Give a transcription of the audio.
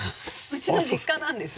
うちの実家なんです。